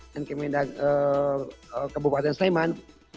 dan kemenang kebupatan sleman